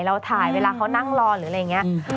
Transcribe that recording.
เราถ่ายเวลาเขานั่งรอหรืออะไรอย่างนี้